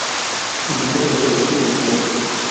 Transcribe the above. El nombre es de origen incierto.